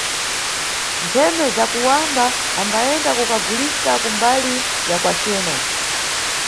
Ntheme za kuwamba ambayenda kukagulisa kubali ya kwacena.